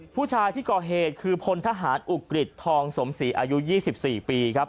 ผู้ชายที่ก่อเหตุคือพลทหารอุกฤษทองสมศรีอายุ๒๔ปีครับ